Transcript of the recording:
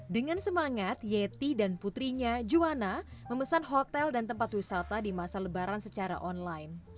dengan semangat yeti dan putrinya juwana memesan hotel dan tempat wisata di masa lebaran secara online